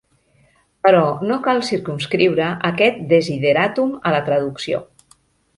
Però no cal circumscriure aquest desideràtum a la traducció.